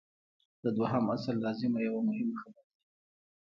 د دویم اصل لازمه یوه مهمه خبره ده.